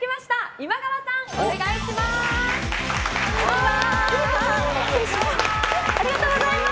今川さん、お願いします。